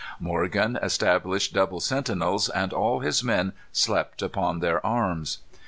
Morgan established double sentinels, and all his men slept upon their arms.